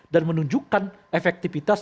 dan menunjukkan efektivitas